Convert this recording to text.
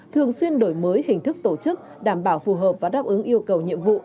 thường xuyên đổi mới hình thức tổ chức đảm bảo phù hợp và đáp ứng yêu cầu nhiệm vụ